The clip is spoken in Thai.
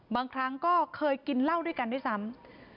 บางครั้งก็เคยกินเหล้าด้วยกันด้วยซ้ำ